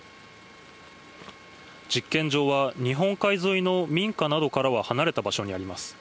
実験場は日本海沿いの民家などからは離れた場所にあります。